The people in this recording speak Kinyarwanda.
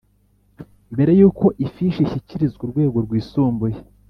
Mbere y uko ifishi ishyikirizwa urwego rwisumbuye